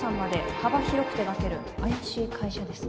幅広く手がける怪しい会社です